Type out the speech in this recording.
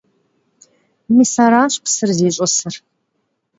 Mis araş psır ziş'ısır!